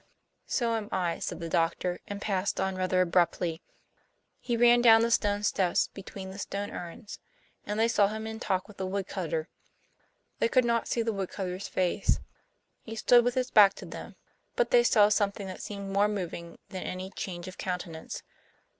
"So am I," said the doctor, and passed on rather abruptly; he ran down the stone steps between the stone urns; and they saw him in talk with the woodcutter. They could not see the woodcutter's face. He stood with his back to them, but they saw something that seemed more moving than any change of countenance.